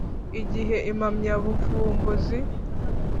Igihe impamyabuvumbuzi .